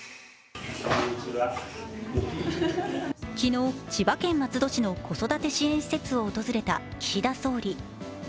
昨日、千葉県松戸市の子育て支援施設を訪れた岸田総理。